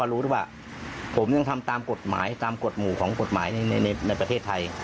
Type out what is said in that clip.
ผมไม่รู้นะผมคุณเรียนน้อยแต่ผมก็รู้ว่าผมยังทำตามกฎหมายตามกฎหมู่ของกฎหมายในประเทศไทย